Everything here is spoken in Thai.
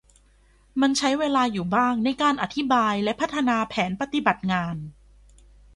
มันใช้เวลาอยู่บ้างในการอธิบายและพัฒนาแผนปฏิบัติงาน